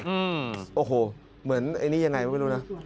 อืมโอ้โฮเหมือนไงบ้างไม่รู้นะ